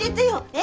え？